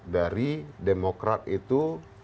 dari demokrat itu